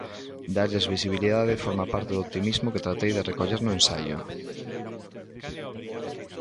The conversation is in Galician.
Darlles visibilidade forma parte do optimismo que tratei de recoller no ensaio.